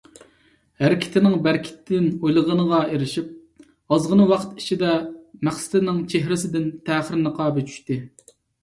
ھەرىكىتىنىڭ بەرىكىتىدىن ئويلىغىنىغا ئېرىشىپ، ئازغىنا ۋاقىت ئىچىدە، مەقسىتىنىڭ چېھرىسىدىن تەخىر نىقابى چۈشتى.